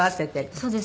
そうです。